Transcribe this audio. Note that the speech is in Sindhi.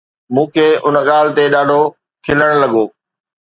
مون کي ان ڳالهه تي ڏاڍو کلڻ لڳو